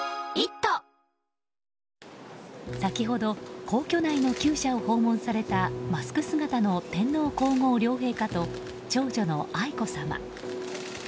先ほど皇居内の厩舎を訪問されたマスク姿の天皇・皇后両陛下と長女の愛子さま。